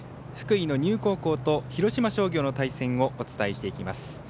福井の丹生と広島商業の対戦をお伝えしていきます。